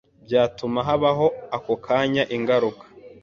byatuma habaho ako kanya ingaruka